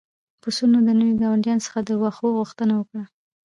پسونو د نوي ګاونډي څخه د واښو غوښتنه وکړه.